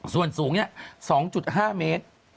ส่วนสูง๒๕เมตร